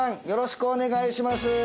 よろしくお願いします